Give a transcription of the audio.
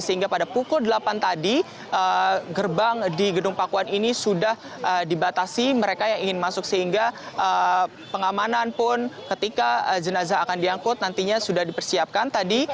sehingga pada pukul delapan tadi gerbang di gedung pakuan ini sudah dibatasi mereka yang ingin masuk sehingga pengamanan pun ketika jenazah akan diangkut nantinya sudah dipersiapkan tadi